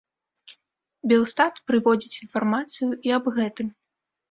Белстат прыводзіць інфармацыю і аб гэтым.